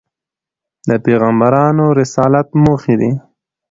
د پیغمبرانود رسالت موخي دي.